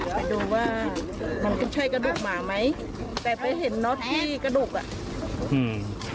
ไปดูว่ามันใช่กระดูกหมาไหมแต่ไปเห็นน็อตที่กระดูกอ่ะอืม